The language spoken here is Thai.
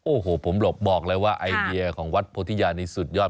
โอ้โหผมหลบบอกเลยว่าไอเดียของวัดโพธิยานี่สุดยอด